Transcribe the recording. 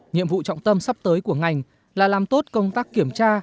nhiệm vụ trọng tâm sắp tới của ngành là làm tốt công tác kiểm tra